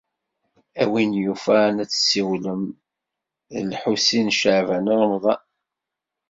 A win yufan, ad tessiwlem ed Lḥusin n Caɛban u Ṛemḍan.